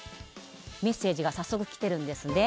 メッセージが早速来てるんですね。